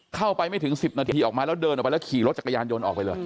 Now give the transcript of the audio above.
เข้าไปไม่ถึง๑๐นาทีออกมาแล้วเดินออกไปแล้วขี่รถจักรยานยนต์ออกไปเลย